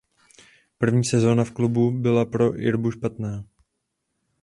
První sezona v klubu byla pro "Ibru" špatná.